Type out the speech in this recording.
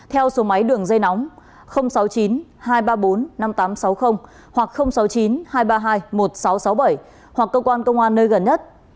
theo số máy đường dây nóng sáu mươi chín hai trăm ba mươi bốn năm nghìn tám trăm sáu mươi hoặc sáu mươi chín hai trăm ba mươi hai một nghìn sáu trăm sáu mươi bảy hoặc cơ quan công an nơi gần nhất